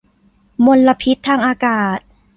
มลพิษทางอากาศ